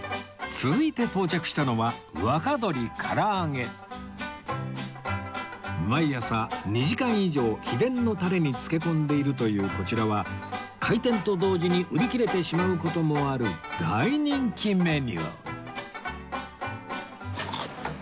続いて到着したのは毎朝２時間以上秘伝のタレに漬け込んでいるというこちらは開店と同時に売り切れてしまう事もある大人気メニュー